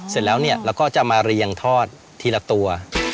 เสร็จแล้วเนี่ยเราก็จะมาเรียงทอดทีละตัว